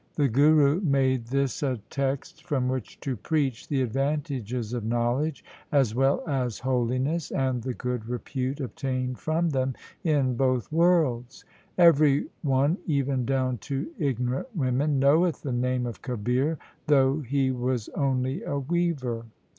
The Guru made this a text from which to preach the advantages of knowledge, as well as holiness, and the good repute obtained from them in both worlds —' Every one, even down to ignorant women, knoweth the name of Kabir, though he was only a weaver.